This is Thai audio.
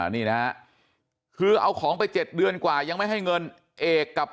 นี่นะฮะคือเอาของไป๗เดือนกว่ายังไม่ให้เงินเอกกับ